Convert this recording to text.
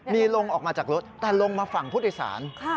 มีลงออกมาจากรถแต่ลงมาฝั่งผู้โดยสาร